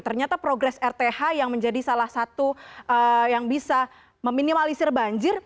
ternyata progres rth yang menjadi salah satu yang bisa meminimalisir banjir